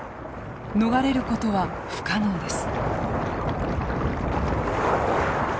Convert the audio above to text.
逃れることは不可能です。